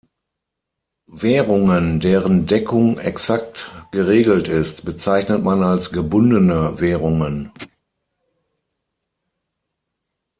Währungen, deren Deckung exakt geregelt ist, bezeichnet man als „gebundene“ Währungen.